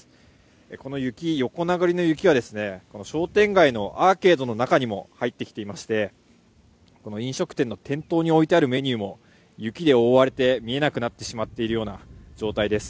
この雪、横殴りの雪は商店街、アーケードの中にも入ってきていまして、飲食店の店頭に置いてあるメニューも雪で覆われて見えなくなってしまっている状態です。